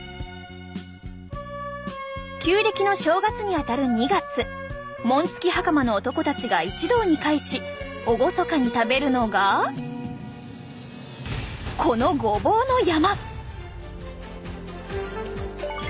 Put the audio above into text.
旧暦の正月にあたる２月紋付き袴の男たちが一堂に会し厳かに食べるのがこのごぼうの山！